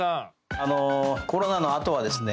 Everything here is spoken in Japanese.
コロナのあとはですね